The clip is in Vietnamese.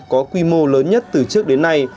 có quy mô lớn nhất từ trước đến nay